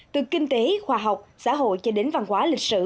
từ kinh tế khoa học xã hội cho đến văn hóa lịch sử